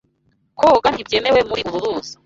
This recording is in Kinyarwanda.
Koga ntibyemewe muri uru ruzi.